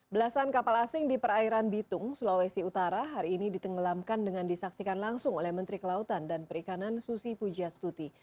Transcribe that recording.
belasan kapal asing di perairan bitung sulawesi utara hari ini ditenggelamkan dengan disaksikan langsung oleh menteri kelautan dan perikanan susi pujastuti